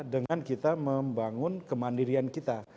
dengan kita membangun kemandirian kita